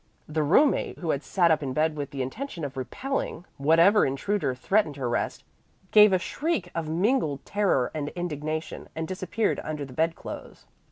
The roommate, who had sat up in bed with the intention of repelling whatever intruder threatened her rest, gave a shriek of mingled terror and indignation and disappeared under the bedclothes.